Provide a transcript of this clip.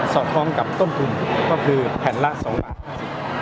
สอดพร้อมกับต้มทุ่มก็คือแผนละ๒ล้าน